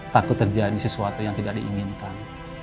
takut terjadi sesuatu yang tidak diinginkan